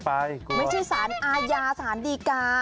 ไม่ใช่ศาลศาลดีการ์